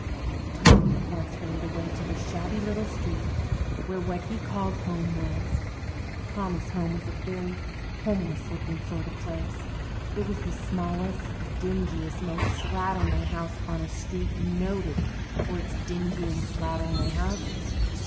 Tommy at once hurried away to the shabby little street where what he called "home" was. Tommy's home was a very homeless looking sort of place. It was the smallest, dingiest, most slatternly house on a street noted for its dingy and slatternly houses.